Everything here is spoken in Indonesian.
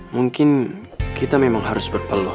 mungkin kita memang harus berpeluang